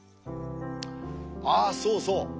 ああそうそう。